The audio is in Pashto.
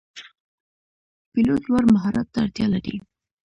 پیلوټ لوړ مهارت ته اړتیا لري.